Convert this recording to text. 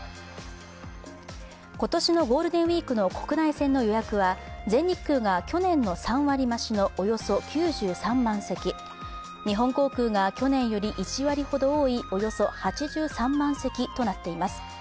今年のゴールデンウイークの国内線の予約は全日空が去年の３割増しのおよそ９３万席、日本航空が去年より１割ほど多いおよそ８３万席となっています。